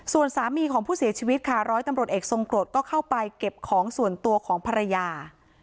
ส่วนสามีของผู้เสียชีวิตค่ะร้อยตำรวจเอกทรงกรดก็เข้าไปเก็บของส่วนตัวของภรรยา